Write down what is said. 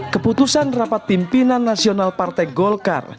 keputusan rapat pimpinan nasional partai golkar